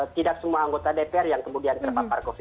tidak semua anggota dpr yang kemudian terpapar covid sembilan belas